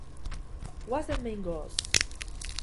Goazen behingoz!